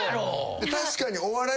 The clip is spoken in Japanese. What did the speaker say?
確かに。